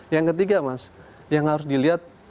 yang ketiga mas yang harus dilihat